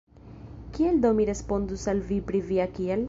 Kiel do mi respondus al vi pri via «kial»?